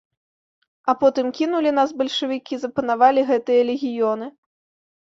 А потым кінулі нас бальшавікі, запанавалі гэтыя легіёны.